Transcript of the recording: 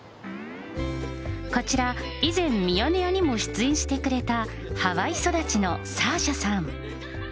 こちら、以前、ミヤネ屋にも出演してくれた、ハワイ育ちのサーシャさん。